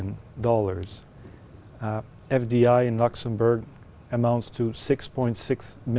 nguồn năng lực sức khỏe của luxembourg heeft giá sáu sáu triệu đô per người